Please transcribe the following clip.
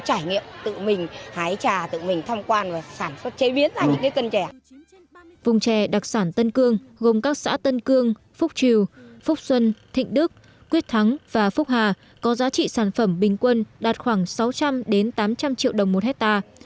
với một vùng trẻ đặc sản tân cương gồm các xã tân cương phúc triều phúc xuân thịnh đức quyết thắng và phúc hà